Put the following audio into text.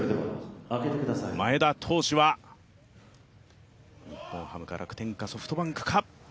前田投手は日本ハムか楽天かソフトバンクか。